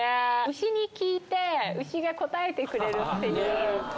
牛に聞いて牛が答えてくれるっていう。